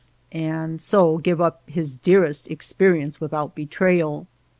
," and so give up his dearest experience with out betrayal.